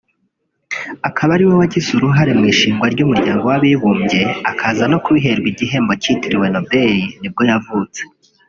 akaba ariwe wagize uruhare mu ishingwa ry’umuryango w’abibumbye akaza no kubiherwa igihembo cyitiriwe Nobel nibwo yavutse